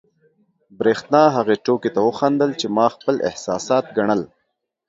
برېښنا هغې ټوکې ته وخندل، چې ما خپل احساسات ګڼل.